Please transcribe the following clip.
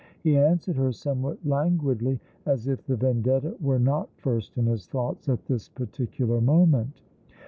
He answered her somewhat languidly, as if the Vendetta were not first iu his thoughts at this particular moment.